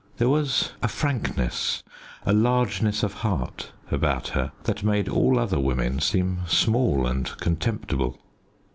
There was a frankness a largeness of heart about her that made all other women seem small and contemptible.